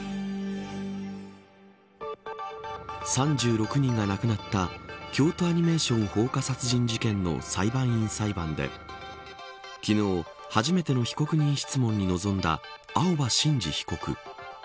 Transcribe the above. ３６人が亡くなった京都アニメーション放火殺人事件の裁判員裁判で昨日初めての被人質問に臨んだ青葉真司被告。